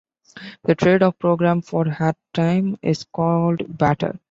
The trade of program for airtime is called barter.